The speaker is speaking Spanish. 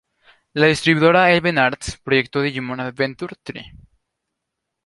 La distribuidora Eleven Arts proyectó "Digimon Adventure tri.